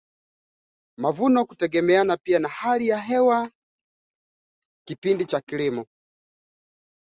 mavuno kutegemeana pia na hali ya hewa kipindi cha kilimo